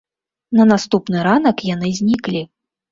На наступны ранак яны зніклі.